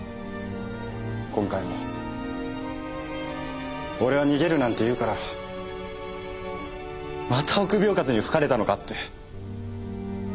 今回も俺は逃げるなんて言うからまた臆病風に吹かれたのかって。